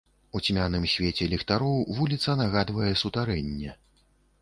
У цьмяным святле ліхтароў вуліца нагадвае сутарэнне.